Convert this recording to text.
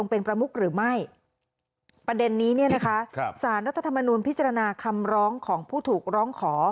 เป็นประมุกหรือไม่ประเด็นนี้เนี่ยนะคะสารรัฐธรรมนูลพิจารณาคำร้องของผู้ถูกร้องขอ